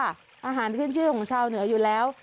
อาหารขึ้นชื่อของชาวเหนืออยู่แล้ว